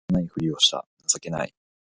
何も無いふりした情けない